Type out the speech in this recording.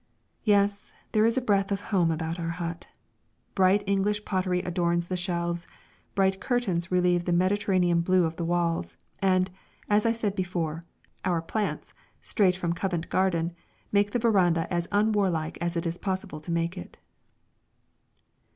Yes, there is a breath of home about our hut. Bright English pottery adorns the shelves, bright curtains relieve the Mediterranean blue of the walls, and, as I said before, our plants, straight from Covent Garden, make the veranda as unwarlike as it is possible to make it.